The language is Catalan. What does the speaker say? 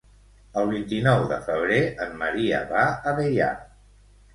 El vint-i-nou de febrer en Maria va a Deià.